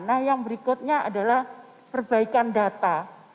nah yang berikutnya adalah perbaikan data